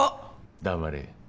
黙れ。